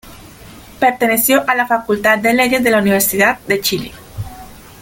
Perteneció a la Facultad de Leyes de la Universidad de Chile.